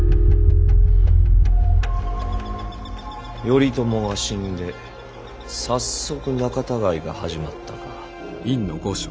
頼朝が死んで早速仲たがいが始まったか。